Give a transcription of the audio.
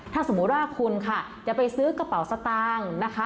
ถ้าสมมุติว่าคุณค่ะจะไปซื้อกระเป๋าสตางค์นะคะ